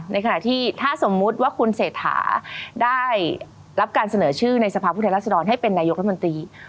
ในขณะที่ถ้าสมมุติว่าคุณเศรษฐาได้รับการเสนอชื่อในสภาพผู้แทนรัศดรให้เป็นนายกรัฐมนตรี